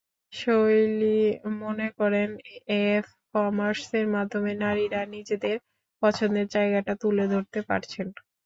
শৈলী মনে করেন, এফ-কমার্সের মাধ্যমে নারীরা নিজেদের পছন্দের জায়গাটা তুলে ধরতে পারছেন।